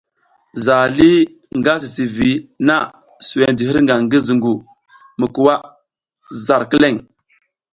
Zaha lih nga si zǝgwi na zuwen ji hirnga ngi zungu mi kuwa zar kileŋ.